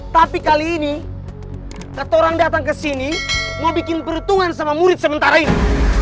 tapi kali ini kata orang datang ke sini mau bikin perhitungan sama murid sementara ini